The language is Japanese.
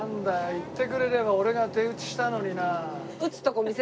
言ってくれれば俺が手打ちしたのにな。